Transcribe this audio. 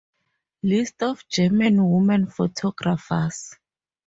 List of German women photographers